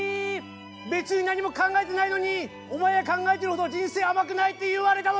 別に何も考えてないのにお前が考えてるほど人生甘くないって言われた時。